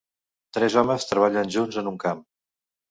Tres homes treballant junts en un camp.